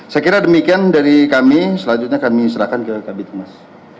saya kira demikian dari kami selanjutnya kami silakan ke kabupaten mas